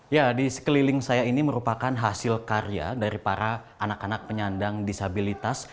ya di sekeliling saya ini merupakan hasil karya dari para anak anak penyandang disabilitas